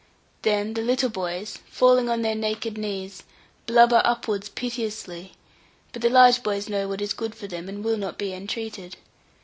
Then the little boys, falling on their naked knees, blubber upwards piteously; but the large boys know what is good for them, and will not be entreated.